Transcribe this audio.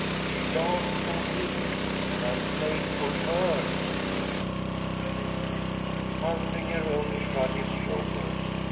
She danced for me and I played for her." Altringer only shrugged his shoulders.